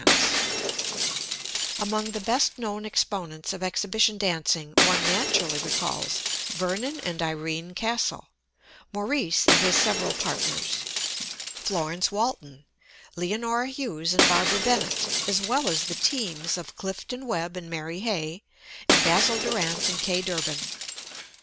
[Illustration: MAURICE] Among the best known exponents of exhibition dancing one naturally recalls Vernon and Irene Castle, Maurice and his several partners, Florence Walton, Leonora Hughes and Barbara Bennett, as well as the "teams" of Clifton Webb and Mary Hay, and Basil Durant and Kay Durban.